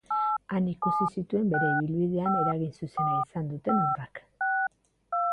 Han ikusi zituen bere ibilbidean eragin zuzena izan duten obrak.